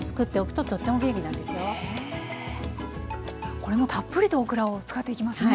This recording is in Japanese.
これもたっぷりとオクラを使っていきますね。